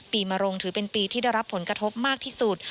มรงถือเป็นปีที่ได้รับผลกระทบมากที่สุด